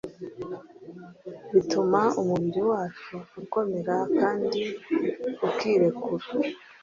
bituma umubiri wacu ukomera kandi ukirekura.